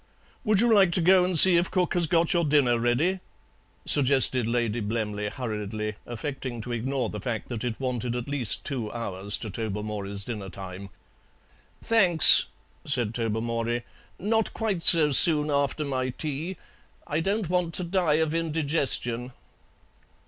"Would you like to go and see if cook has got your dinner ready?" suggested Lady Blemley hurriedly, affecting to ignore the fact that it wanted at least two hours to Tobermory's dinner time. "Thanks," said Tobermory, "not quite so soon after my tea. I don't want to die of indigestion."